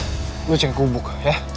sat lo cek kubuk ya